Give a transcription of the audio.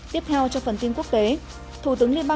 tiếp theo cho phần tin quốc tế